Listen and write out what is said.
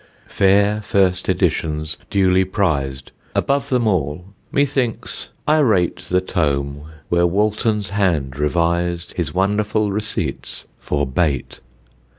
Fair first editions, duly prized, Above them all, methinks, I rate The tome where Walton's hand revised His wonderful receipts for bait!